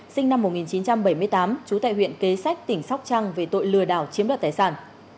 sinh năm một nghìn chín trăm bảy mươi tám trú tại huyện kế sách tỉnh sóc trăng về tội lừa đảo chiếm đoạt tài sản